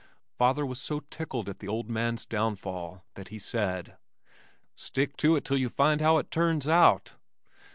Father was so tickled at the old man's downfall that he said, "Stick to it till you find how it turns out."